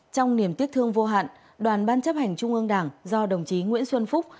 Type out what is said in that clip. trong niềm tiếc thương vô hạn đoàn ban chấp hành trung ương đảng do đồng chí nguyễn xuân phúc